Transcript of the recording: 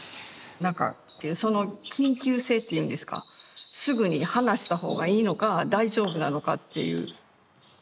なんかその緊急性っていうんですかすぐに離した方がいいのか大丈夫なのかっていう。